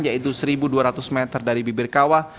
yaitu satu dua ratus meter dari bibir kawah